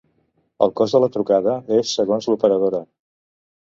El cost de la trucada és segons l'operadora.